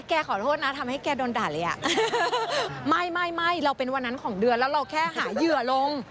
ขอโทษนะทำให้แกโดนด่าเลยอ่ะไม่ไม่เราเป็นวันนั้นของเดือนแล้วเราแค่หาเหยื่อลง